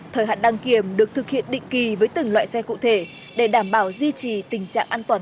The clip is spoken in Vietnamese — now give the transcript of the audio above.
thời hạn đăng kiểm được thực hiện định kỳ với từng loại xe cụ thể để đảm bảo duy trì tình trạng an toàn